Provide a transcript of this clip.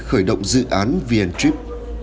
khởi động dự án vn trip